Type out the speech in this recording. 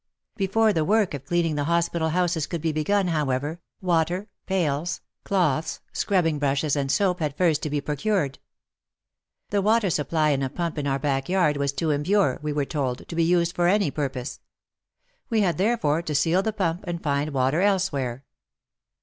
Before the work of cleaning the hospital houses could be begun, however, water, pails, 109 no WAR AND WOMEN cloths, scrubbing brushes and soap had first to be procured. The water supply in a pump in our backyard was too impure, we were told, to be used for any purpose. We had therefore to seal the pump and find water elsewhere.